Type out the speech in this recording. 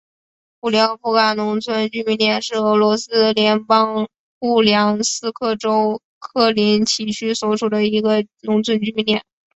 古廖夫卡农村居民点是俄罗斯联邦布良斯克州克林齐区所属的一个农村居民点。